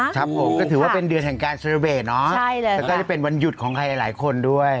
ครับผมก็ถือว่าเป็นเดือนแห่งการเซราเวทเนอะแล้วก็จะเป็นวันหยุดของใครหลายคนด้วย